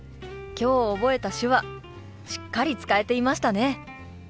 今日覚えた手話しっかり使えていましたね！